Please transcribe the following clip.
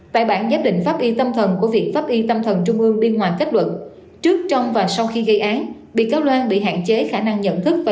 tại bản giáp định pháp y tâm thần của viện pháp y tâm thần trung ương biên hoàng kết luận